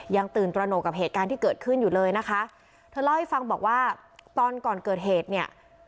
ยังตื่นตระหนกกับเหตุการณ์ที่เกิดขึ้นอยู่เลยนะคะเธอเล่าให้ฟังบอกว่าตอนก่อนเกิดเหตุเนี่ย